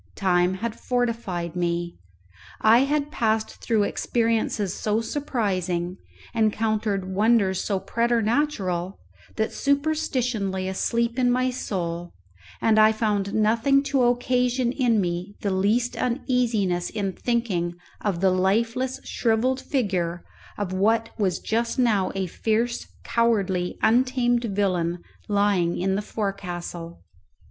Time had fortified me; I had passed through experiences so surprising, encountered wonders so preternatural, that superstition lay asleep in my soul, and I found nothing to occasion in me the least uneasiness in thinking of the lifeless shrivelled figure of what was just now a fierce, cowardly, untamed villain, lying in the forecastle.